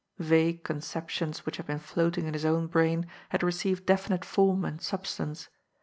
Vague conceptions which had been floating in his own brain had received definite form and substance.